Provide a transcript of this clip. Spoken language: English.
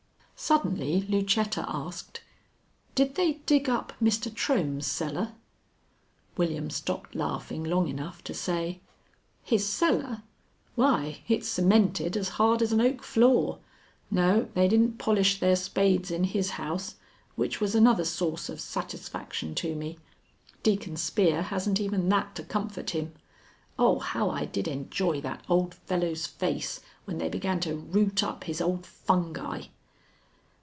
Suddenly Lucetta asked: "Did they dig up Mr. Trohm's cellar?" William stopped laughing long enough to say: "His cellar? Why, it's cemented as hard as an oak floor. No, they didn't polish their spades in his house, which was another source of satisfaction to me. Deacon Spear hasn't even that to comfort him. Oh, how I did enjoy that old fellow's face when they began to root up his old fungi!"